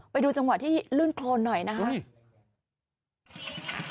ไปดูจังหวะที่ลื่นโครนหน่อยนะครับ